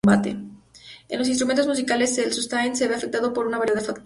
En los instrumentos musicales, el sustain se ve afectado por una variedad de factores.